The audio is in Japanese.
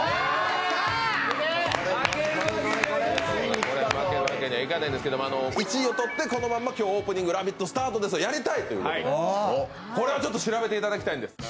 これ負けるわけにはいかないんですけれども１位をとって、今日オープニング、「ラヴィット！」スタートをやりたいということで、これはちょっと調べていただきたいと思います。